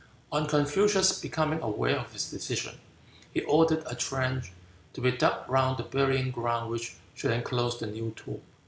On Confucius becoming aware of his decision, he ordered a trench to be dug round the burying ground which should enclose the new tomb.